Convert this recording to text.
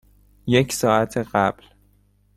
یک ساعت قبل.